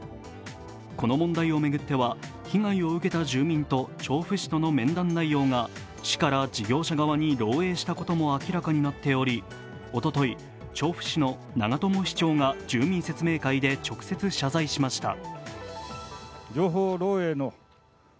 この問題を巡っては、被害を受けた住民と調布市との面談内容が市から事業者側に漏えいしてことも明らかになっており、おととい、調布市の長友市長が住民説明会で直接謝罪しました。